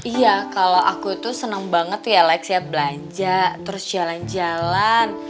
iya kalo aku tuh seneng banget ya lex ya belanja terus jalan jalan